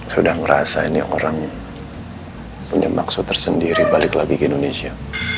sudah ngerasa ini orang punya maksud tersendiri balik lagi ke indonesia